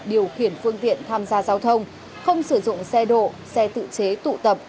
điều khiển phương tiện tham gia giao thông không sử dụng xe độ xe tự chế tụ tập